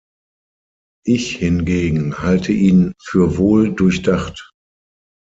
Ich hingegen halte ihn für wohl durchdacht.